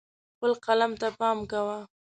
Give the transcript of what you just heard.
خپل قلم ته پام کوه.